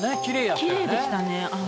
きれいでしたね。